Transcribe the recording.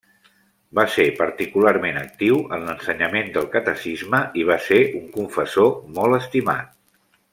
Va ser particularment actiu en l'ensenyament del catecisme i va ser un confessor molt estimat.